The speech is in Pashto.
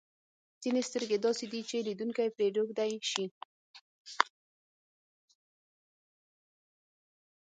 ځینې سترګې داسې دي چې لیدونکی پرې روږدی شي.